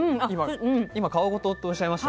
今皮ごととおっしゃいました